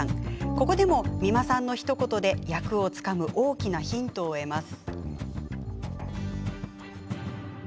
ここでも三間さんのひと言で役をつかむ大きなヒントを得ます。